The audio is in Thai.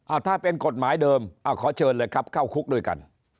ถ้าเป็นกฎหมายเดิมอ่าขอเชิญเลยครับเข้าคุกด้วยกัน